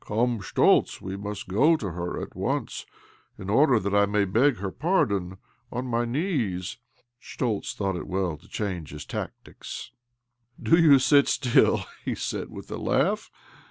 " Come, Schtoltz I We must go to her at once, in order that I may beg her pardon on my knees." Schtoltz thought it well to change his tactics. 2з8 OBLOMOV " Do you sit still," he said with a laugh.